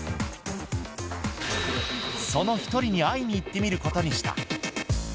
その１人に会いに行ってみることにした。